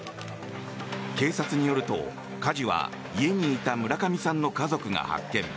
警察によると、火事は家にいた村上さんの家族が発見。